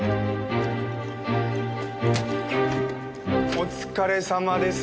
お疲れさまです。